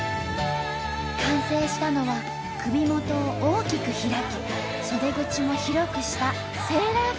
完成したのは首元を大きく開き袖口も広くしたセーラー服。